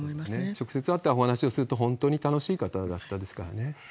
直接会ってお話をすると本当に楽しい方だったですからね。